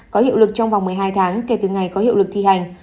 có hiệu lực trong vòng một mươi hai tháng kể từ ngày có hiệu lực thi hành